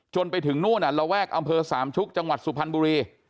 ไปถึงนู่นระแวกอำเภอสามชุกจังหวัดสุพรรณบุรี